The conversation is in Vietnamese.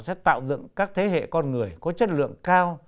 sẽ tạo dựng các thế hệ con người có chất lượng cao